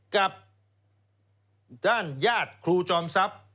กับด้านญาติครูจอมซับ